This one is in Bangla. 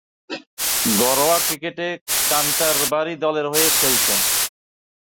ঘরোয়া ক্রিকেটে ক্যান্টারবারি দলের হয়ে খেলছেন।